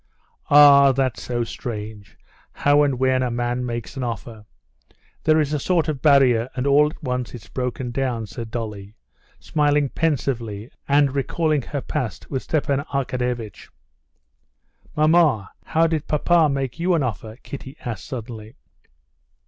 "Ah, that's so strange, how and when a man makes an offer!... There is a sort of barrier, and all at once it's broken down," said Dolly, smiling pensively and recalling her past with Stepan Arkadyevitch. "Mamma, how did papa make you an offer?" Kitty asked suddenly.